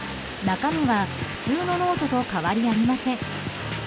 中身は普通のノートと変わりありません。